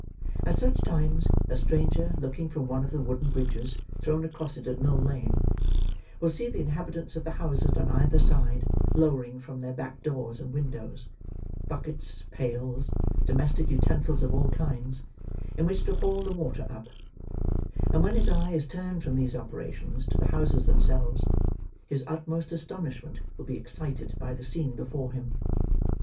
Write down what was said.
At such times, a stranger, looking from one of the wooden bridges thrown across it at Mill Lane, will see the inhabitants of the houses on either side lowering from their back doors and windows, buckets, pails, domestic utensils of all kinds, in which to haul the water up; and when his eye is turned from these operations to the houses themselves, his utmost astonishment will be excited by the scene before him.